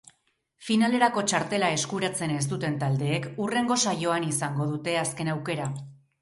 Finalerako txartela eskuratzen ez duten taldeek hurrengo saioan izango dute azken aukera.